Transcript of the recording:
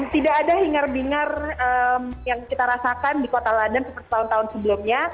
tidak ada hingar bingar yang kita rasakan di kota london seperti tahun tahun sebelumnya